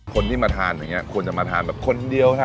คนที่มาทานอย่างนี้ควรจะมาทานแบบคนเดียวค่ะ